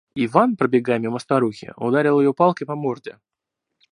Иван, пробегая мимо старухи, ударил её палкой по морде.